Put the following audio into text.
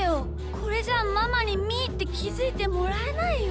これじゃママにみーってきづいてもらえないよ。